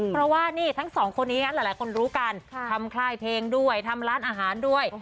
เพราะว่านี่ทั้งสองคนนี้หลายคนรู้กันทำค่ายเพลงด้วยทำร้านอาหารด้วย